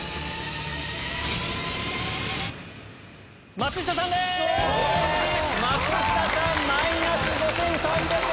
松下さんマイナス５３００円